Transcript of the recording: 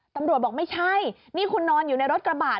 ตำรวจบอกไม่ใช่นี่คุณนอนอยู่ในรถกระบาด